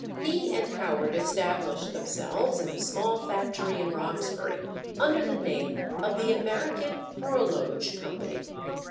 _] On his return, in 1850, he and Howard established themselves in a small factory in Roxbury, under the name of the American Horologe Company.